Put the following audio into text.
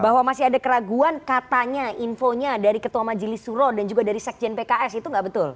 bahwa masih ada keraguan katanya infonya dari ketua majelis suro dan juga dari sekjen pks itu nggak betul